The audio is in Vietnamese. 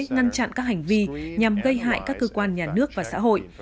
ngăn chặn các hành vi nhằm gây hại các cơ quan nhà nước và xã hội